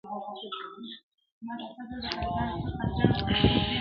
دلـته ميـــنـــه ســــــــرچــــپــــه ده,